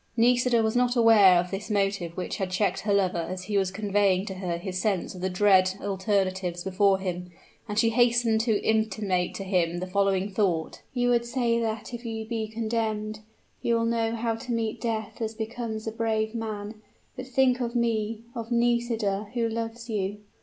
Nisida was not aware of the motive which had checked her lover as he was conveying to her his sense of the dread alternatives before him; and she hastened to intimate to him the following thought: "You would say that if you be condemned, you will know how to meet death as becomes a brave man. But think of me of Nisida, who loves you!"